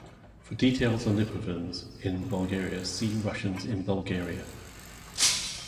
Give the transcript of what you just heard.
For details on the Lipovans in Bulgaria, see Russians in Bulgaria.